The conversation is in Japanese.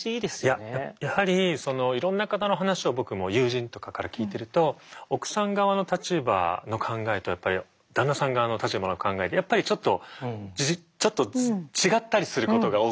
いややはりいろんな方の話を僕も友人とかから聞いてると奥さん側の立場の考えとやっぱり旦那さん側の立場の考えでやっぱりちょっとちょっと違ったりすることが多くて。